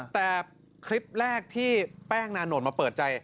แต่คลิปแรกที่แป้งนานนทมาเปิดใจ